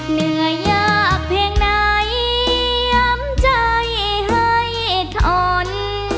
เหนื่อยยากเพียงไหนใจให้ทน